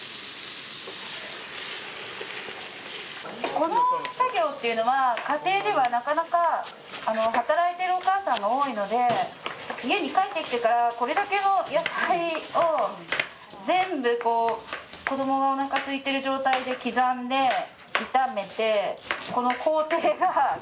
この作業っていうのは家庭ではなかなか働いてるお母さんが多いので家に帰ってきてからこれだけの野菜を全部子どもがおなかすいてる状態で刻んで炒めて。